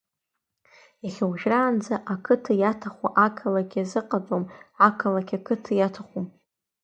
Иахьа уажәраанӡа ақыҭа иаҭаху ақалақь иазыҟаҵом, ақалақь ақыҭа иаҭаху.